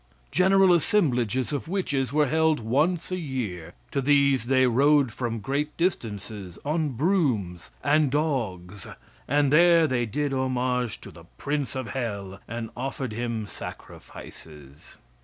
General assemblages of witches were held once a year. To these they rode from great distances on brooms and dogs, and there they did homage to the prince of hell and offered him sacrifices.